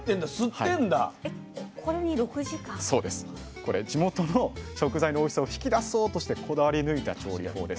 これ地元の食材のおいしさを引き出そうとしてこだわり抜いた調理法です。